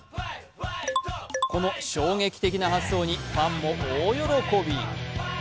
この衝撃的は発想にファンも大喜び。